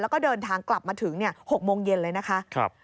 แล้วก็เดินทางกลับมาถึง๖โมงเย็นเลยนะคะ